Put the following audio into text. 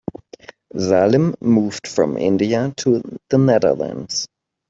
Salim moved from India to the Netherlands.